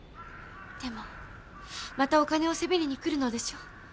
でもまたお金をせびりにくるのでしょう。